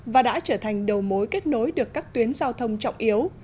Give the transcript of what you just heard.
và đã trở thành đầu mối kết nối được các tuyến giao thông trọng yếu